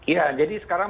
ya jadi sekarang